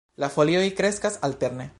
La folioj kreskas alterne.